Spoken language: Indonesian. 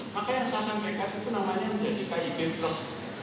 maka yang saya sampaikan itu namanya menjadi kib plus